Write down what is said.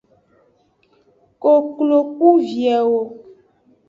Koklo ku viewo.